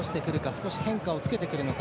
少し変化をつけてくるのか。